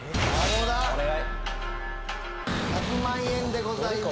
お願い１００万円でございます